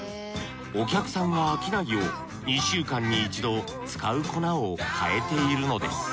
お客さんが飽きないよう２週間に一度使う粉を変えているのです。